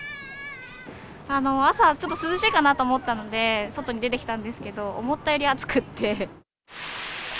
朝、ちょっと涼しいかなと思ったので、外に出てきたんですけれども、思ったより暑くて。